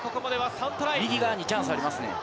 右側にチャンスありますね。